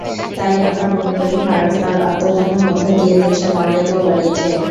তাই আমরা মনে করি, ফারাজ তার আত্মদানের মধ্য দিয়ে দেশের মর্যাদাও বাড়িয়েছে।